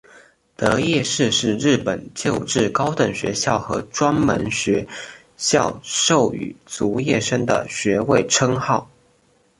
得业士是日本旧制高等学校和专门学校授与卒业生的学位称号。